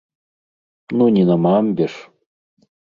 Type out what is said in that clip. Ну не на мамбе ж!